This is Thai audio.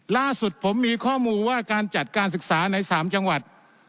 ล่าสุดผมมีข้อมูลว่าการจัดการศึกษาใน๓จังหวัด